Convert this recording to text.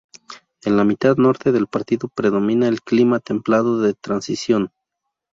En la mitad norte del partido predomina el clima templado de transición.